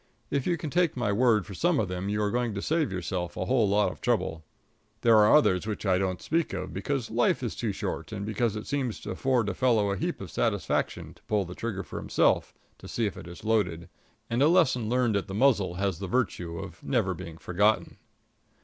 If you can take my word for some of them you are going to save yourself a whole lot of trouble. There are others which I don't speak of because life is too short and because it seems to afford a fellow a heap of satisfaction to pull the trigger for himself to see if it is loaded; and a lesson learned at the muzzle has the virtue of never being forgotten.